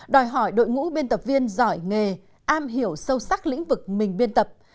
đòi hỏi đội ngũ biên tập viên giỏi nghề am hiểu sâu sắc lĩnh vực mình biên tập